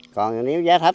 còn nếu giá thấp